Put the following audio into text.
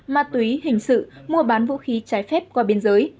ma túy hình sự mua bán vũ khí trái phép qua biên giới